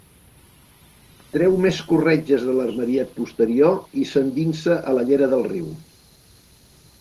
Treu més corretges de l'armariet posterior i s'endinsa a la llera del riu.